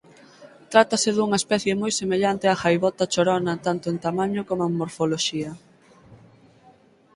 Trátase dunha especie moi semellante á gaivota chorona tanto en tamaño coma en morfoloxía.